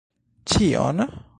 Ĉion?